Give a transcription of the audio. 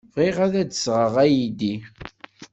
Bɣiɣ ad d-sɣeɣ aydi.